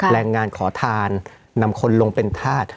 แรงงานขอทานนำคนลงเป็นธาตุ